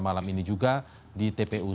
malam ini juga di tpu